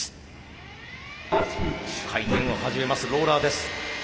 回転を始めますローラーです。